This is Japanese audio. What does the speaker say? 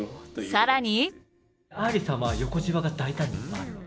さらに。